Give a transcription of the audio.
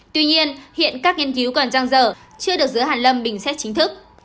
tuy nhiên hiện các nghiên cứu còn trăng dở chưa được giữa hẳn lâm bình xét chính thức